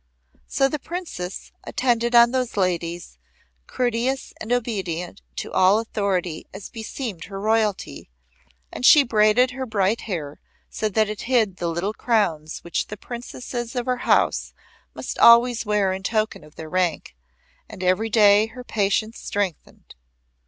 So the Princess attended on those ladies, courteous and obedient to all authority as beseemed her royalty, and she braided her bright hair so that it hid the little crowns which the Princesses of her House must wear always in token of their rank, and every day her patience strengthened.